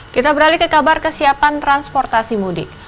kita beralih ke kabar kesiapan transportasi mudik